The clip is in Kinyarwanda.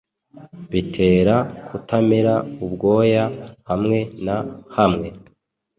bitera kutamera ubwoya hamwe na hamwe